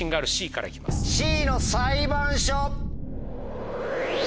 Ｃの裁判所。